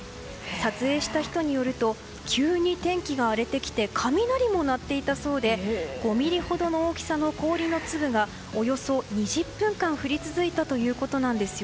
撮影した人によると急に天気が荒れてきて雷も鳴っていたそうで５ｍｍほどの大きさの氷の粒がおよそ２０分間降り続いたということです。